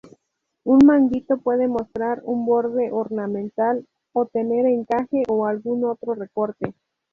Un manguito puede mostrar un borde ornamental o tener encaje o algún otro recorte.